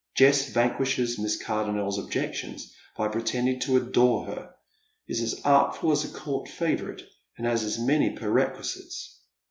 Jess vanquishes Miss Cardonnel's objections by pretending to adore her, is as artful as a court favourite, and has as many per quisites.